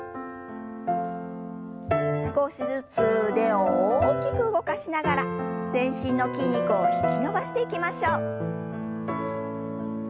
少しずつ腕を大きく動かしながら全身の筋肉を引き伸ばしていきましょう。